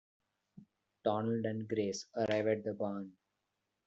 Donald and Grace arrive at the barn.